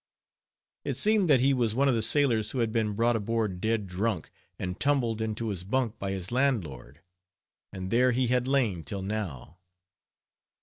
It seemed that he was one of the sailors who had been brought aboard dead drunk, and tumbled into his bunk by his landlord; and there he had lain till now.